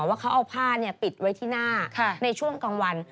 ว่าเขาเอาผ้าปิดไว้ที่หน้าในช่วงกลางวัน